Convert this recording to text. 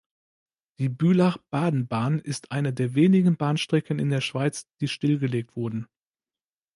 Die Bülach-Baden-Bahn ist eine der wenigen Bahnstrecken in der Schweiz, die stillgelegt wurden.